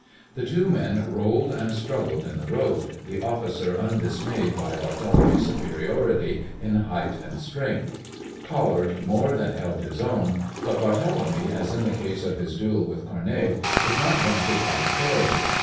The two men rolled and struggled in the road, the officer undismayed by Barthélemy's superiority in height and strength. Collard more than held his own, but Barthélemy, as in the case of his duel with Cournet, was not going to fight fairly.